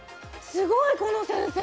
すごい、この先生。